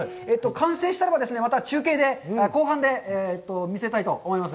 完成したら、また中継で、後半で見せたいと思います。